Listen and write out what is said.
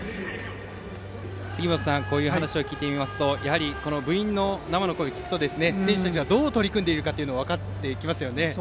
こういう話を聞いていますとやはり部員の生の声を聞くと選手たちがどう取り組んでいるか分かってきますね。